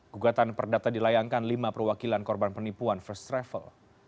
gugatan perdata dilayangkan lima perwakilan korban penipuan first travel